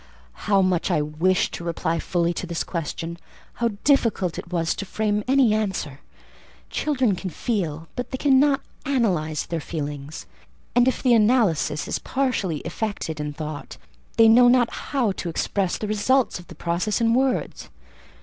How much I wished to reply fully to this question! How difficult it was to frame any answer! Children can feel, but they cannot analyse their feelings; and if the analysis is partially effected in thought, they know not how to express the result of the process in words.